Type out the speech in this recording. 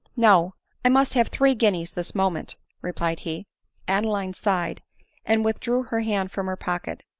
" No ; I must have three guineas this moment," re plied he. Adeline sighed, and withdrew her hand from her pocket.